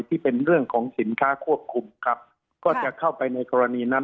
ที่เป็นเรื่องของสินค้าควบคุมครับก็จะเข้าไปในกรณีนั้น